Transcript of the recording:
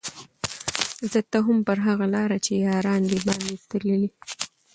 ځه ته هم پر هغه لاره چي یاران دي باندي تللي